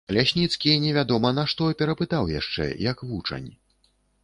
Лясніцкі невядома нашто перапытаў яшчэ, як вучань.